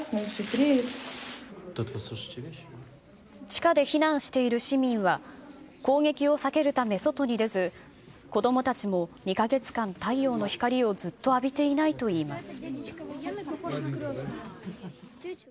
地下で避難している市民は、攻撃を避けるため外に出ず、子どもたちも２か月間、太陽の光をずっと浴びていないといいます。